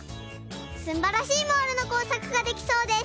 すんばらしいモールのこうさくができそうです！